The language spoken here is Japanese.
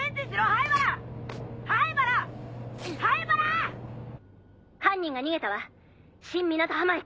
灰原‼犯人が逃げたわ新港浜駅。